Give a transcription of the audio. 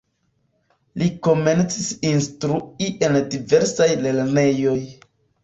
Li komencis instrui en diversaj lernejoj.